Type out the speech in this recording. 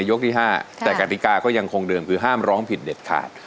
ยกที่๕แต่กติกาก็ยังคงเดิมคือห้ามร้องผิดเด็ดขาด